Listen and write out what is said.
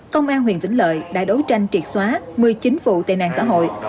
công an huyện vĩnh lợi đã đấu tranh triệt xóa một mươi chín vụ tên nạn xã hội